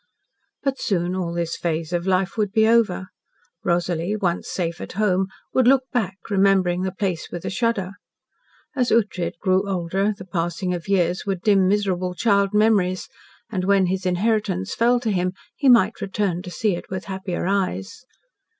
But soon all this phase of life would be over. Rosalie, once safe at home, would look back, remembering the place with a shudder. As Ughtred grew older the passing of years would dim miserable child memories, and when his inheritance fell to him he might return to see it with happier eyes.